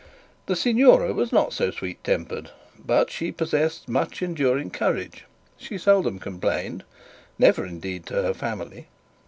The signora was not so sweet tempered, but she possessed much enduring courage; she seldom complained never, indeed, to her family.